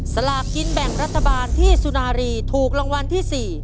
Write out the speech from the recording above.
สลากกินแบ่งรัฐบาลที่สุนารีถูกรางวัลที่๔